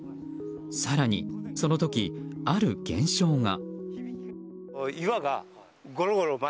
更にその時、ある現象が。